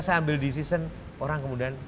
saya ambil decision orang kemudian